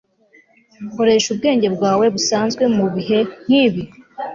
Koresha ubwenge bwawe busanzwe mubihe nkibi